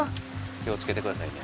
気をつけてくださいね。